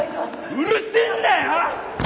うるせえんだよ！